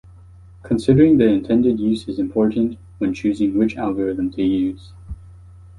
Considering the intended use is important when choosing which algorithm to use.